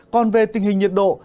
còn về tình hình nhiệt độ